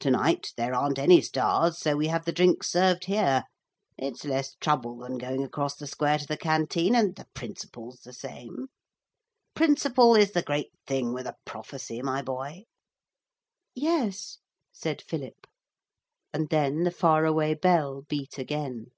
To night there aren't any stars, so we have the drinks served here. It's less trouble than going across the square to the canteen, and the principle's the same. Principle is the great thing with a prophecy, my boy.' 'Yes,' said Philip. And then the far away bell beat again.